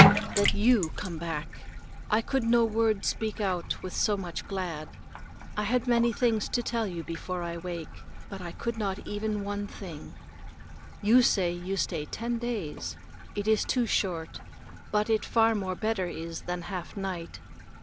That you come back! I could no word speak out with so much glad. I had many things to tell you before I wake, but I could not even one thing. You say you stay ten days. It is too short, but it far more better is than half night.